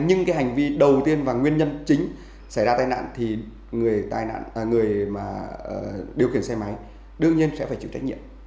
nhưng cái hành vi đầu tiên và nguyên nhân chính xảy ra tai nạn thì người điều khiển xe máy đương nhiên sẽ phải chịu trách nhiệm